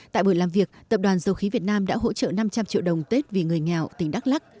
tại buổi làm việc tập đoàn dầu khí việt nam đã hỗ trợ năm trăm linh triệu đồng tết vì người nghèo tỉnh đắk lắc